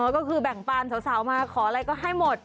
ก็คือแบ่งปานสาวมาขออะไรก็ให้หมด